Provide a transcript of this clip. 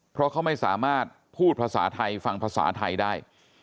เพราะเขาไม่สามารถพูดภาษาไทยฟังภาษาไทยได้